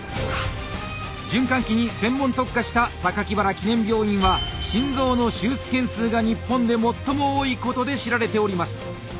循環器に専門特化した原記念病院は心臓の手術件数が日本で最も多いことで知られております。